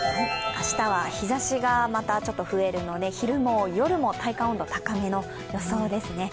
明日は日ざしがまたちょっと増えるので昼も夜も体感温度、高めの予想ですね。